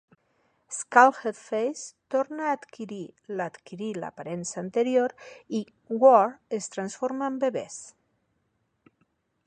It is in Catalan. Skulhedface torna a adquirir l'adquirir l'aparença anterior i Gwar es transforma en bebès.